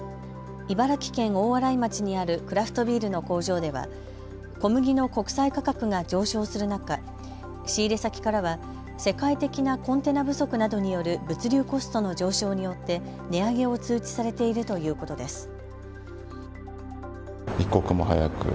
茨城県大洗町にあるクラフトビールの工場では小麦の国際価格が上昇する中、仕入れ先からは世界的なコンテナ不足などによる物流コストの上昇によって値上げを通知されているということです。